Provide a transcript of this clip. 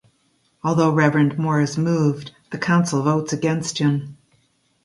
Although Reverend Moore is moved, the council votes against him.